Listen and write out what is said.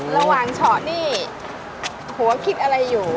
ระหว่างฉอกนี่หัวคิดอะไรอยู่